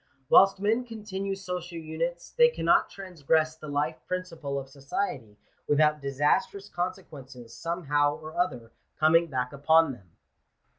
V^ Whilst men continue social units, they cannot transgress the / life principle of society without disastrous consequences some how or other coming back upon them.